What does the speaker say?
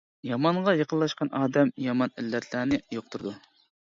يامانغا يېقىنلاشقان ئادەم يامان ئىللەتلەرنى يۇقتۇرىدۇ.